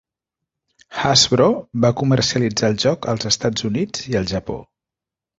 Hasbro va comercialitzar el joc als Estats Units i al Japó.